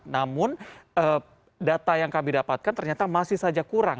namun data yang kami dapatkan ternyata masih saja kurang